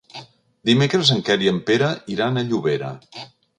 Dimecres en Quer i en Pere iran a Llobera.